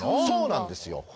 そうなんですよ。